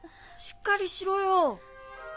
しっかりしろよ。